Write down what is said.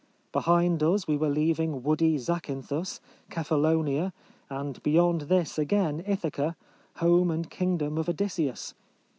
Behind us we were leaving woody Zacynthus, Kephal lonia, and beyond this again Ithaca, home and kingdom of Odysseus.